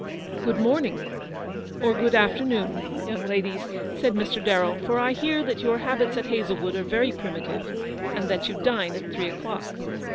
" Good morning, or good afternoon, young ladies," said Mr. Darrell, "for I hear that your habits at Hazlewood are very primitive, and that you dine at three o'clock.